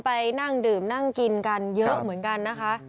ไปนั่งดื่มนั่งกินกันเยอะเหมือนกันนะคะ